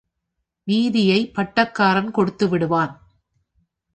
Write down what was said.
மீதியைப் பட்டக்காரன் கொடுத்து விடுவான்.